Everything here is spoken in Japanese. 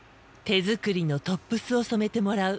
手作りのトップスを染めてもらう。